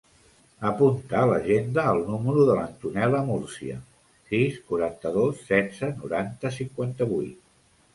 Apunta a l'agenda el número de l'Antonella Murcia: sis, quaranta-dos, setze, noranta, cinquanta-vuit.